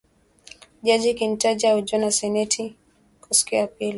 Jaji Ketanji ahojiwa na seneti kwa siku ya pili.